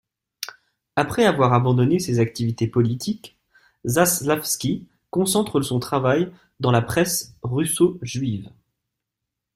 Après avoir abandonné ses activités politiques, Zaslavski concentre son travail dans la presse russo-juive.